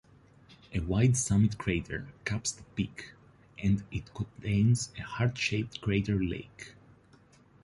A wide summit crater caps the peak, and it contains a heart-shaped crater lake.